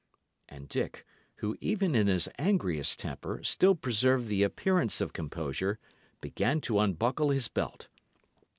And Dick, who, even in his angriest temper, still preserved the appearance of composure, began to unbuckle his belt.